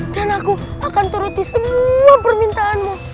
dan aku akan turuti semua permintaanmu